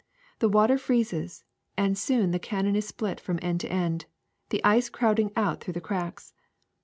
The water freezes and soon the cannon is split from end to end, the ice crowding out through the cracks.